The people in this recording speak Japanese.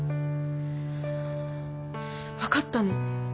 分かったの。